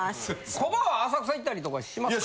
コバは浅草行ったりとかしますか？